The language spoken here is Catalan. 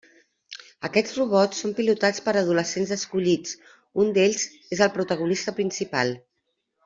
Aquests robots són pilotats per adolescents escollits; un d'ells és el protagonista principal.